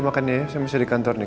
makan ya ya saya masih di kantor nih